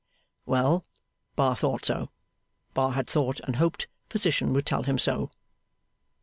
well, Bar thought so; Bar had thought, and hoped, Physician would tell him so.